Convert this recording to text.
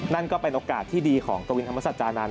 นั่นก็เป็นโอกาสที่ดีของตรวินธรรมศัตริย์จานั้น